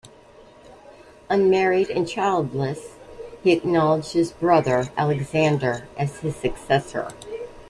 Unmarried and childless, he acknowledged his brother Alexander as his successor.